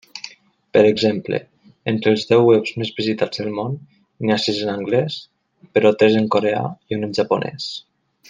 Per exemple: entre els deu webs més visitats del món n'hi ha sis en anglès, però tres en coreà i un en japonès.